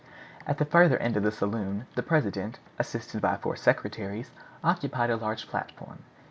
At the further end of the saloon the president, assisted by four secretaries, occupied a large platform.